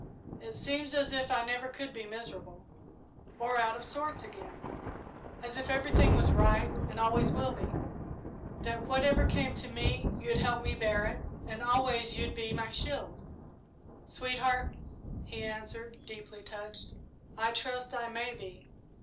It seems as if I never could be miserable or out of sorts again; as if everything was right and always would be; that whatever came to me you'd help me bear it, and always you'd be my shield." "Sweetheart," he answered, deeply touched, "I trust I may be.